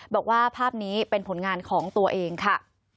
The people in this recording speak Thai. บอกว่าภาพนี้เป็นผลงานของตัวเองค่ะ